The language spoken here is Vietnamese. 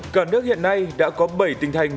cả nước hiện nay đã có bảy tình thành